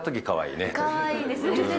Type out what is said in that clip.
かわいいですね。